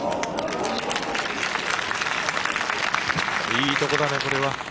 いいとこだね、これは。